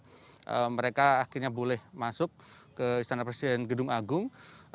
namun akhirnya mereka mengaku merasa senang karena mereka akhirnya boleh masuk ke istana presiden gedung agung